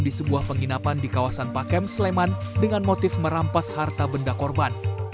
di sebuah penginapan di kawasan pakem sleman dengan motif merampas harta benda korban